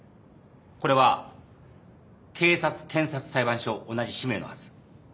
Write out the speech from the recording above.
これは警察検察裁判所同じ使命のはず。